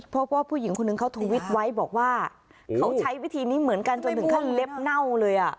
เพราะว่าผู้หญิงคนหนึ่งเขาทวิตไว้บอกว่าเขาใช้วิธีนี้เหมือนกันจนถึงขั้นเล็บเน่าเลยอ่ะ